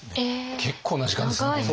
結構な時間ですね５年。